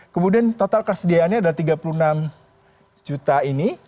kemudian total kesediaannya ada tiga puluh enam juta ini